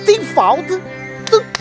ini tidak baik